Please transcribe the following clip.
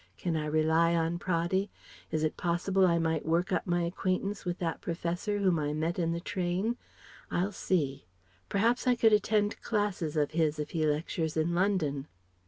Can I rely on Praddy? Is it possible I might work up my acquaintance with that professor whom I met in the train? I'll see. Perhaps I could attend classes of his if he lectures in London."